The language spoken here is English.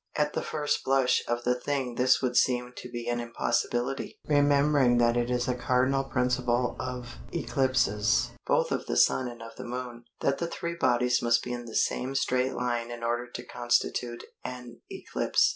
At the first blush of the thing this would seem to be an impossibility, remembering that it is a cardinal principle of eclipses, both of the Sun and of the Moon, that the three bodies must be in the same straight line in order to constitute an eclipse.